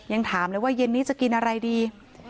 ยังถามเลยว่าเย็นนี้จะกินอะไรดี